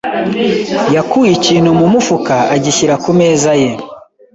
yakuye ikintu mu mufuka agishyira ku meza ye.